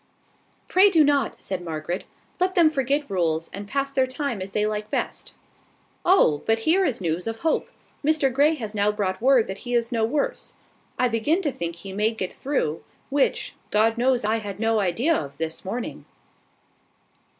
"Pray do not," said Margaret. "Let them forget rules, and pass their time as they like best." "Oh! but here is news of Hope. Mr Grey has now brought word that he is no worse. I begin to think he may get through, which, God knows I had no idea of this morning."